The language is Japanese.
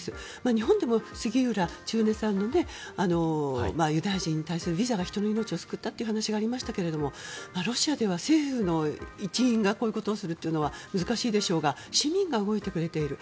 日本でも杉浦千畝さんのユダヤ人に対するビザが人の命を救ったという話がありましたがロシアでは政府の一員がこういうことをするのは難しいでしょうが市民が動いてくれている。